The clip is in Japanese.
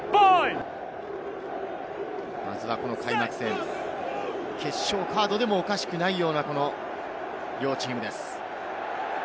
まずは開幕戦、決勝カードでもおかしくないような両チームです。